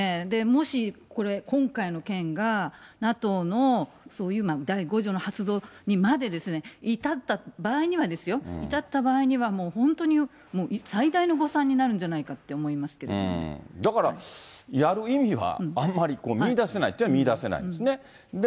もし今回の件がＮＡＴＯのそういう、第５条の発動にまで至った場合にはですよ、至った場合にはもう本当に最大の誤算になるんじゃないかって思いだから、やる意味はあんまり見いだせないというのは見いだせないですね。